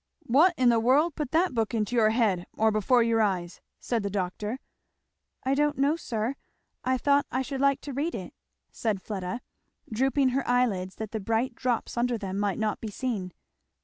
"What in the world put that book into your head, or before your eyes?" said the doctor. "I don't know, sir, I thought I should like to read it," said Fleda, drooping her eyelids that the bright drops under them might not be seen.